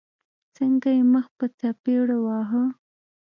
څنګه يې مخ په څپېړو واهه.